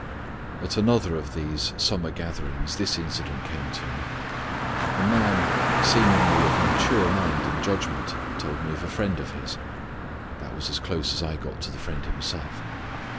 At another of these summer gatherings this incident came to me. A man seemingly of mature mind and judgment told me of a friend of his. That was as close as I got to the friend himself.